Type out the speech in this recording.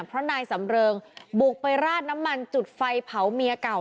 เพราะนายสำเริงบุกไปราดน้ำมันจุดไฟเผาเมียเก่า